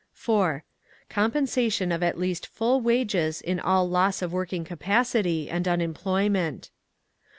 4. Compensation of at least full wages in all loss of working capacity and unemployment.